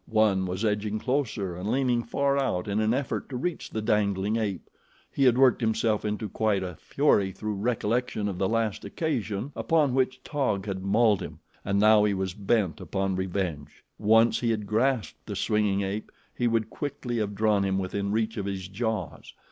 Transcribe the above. One was edging closer and leaning far out in an effort to reach the dangling ape. He had worked himself into quite a fury through recollection of the last occasion upon which Taug had mauled him, and now he was bent upon revenge. Once he had grasped the swinging ape, he would quickly have drawn him within reach of his jaws.